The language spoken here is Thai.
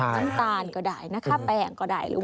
จ้างตาลก็ได้แข้งก็ได้